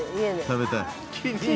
食べたい？